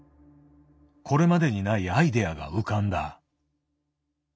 これまでにないアイデアが浮かんだ。